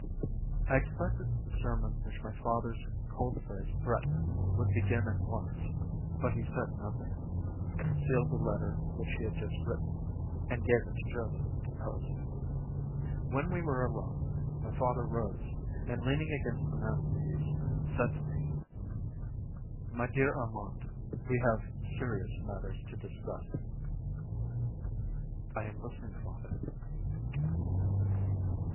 I expected that the sermon which my father's cold face threatened would begin at once; but he said nothing, sealed the letter which he had just written, and gave it to Joseph to post. When we were alone, my father rose, and leaning against the mantel piece, said to me: "My dear Armand, we have serious matters to discuss." "I am listening, father."